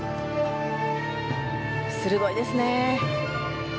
鋭いですね。